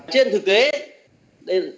trên thực tế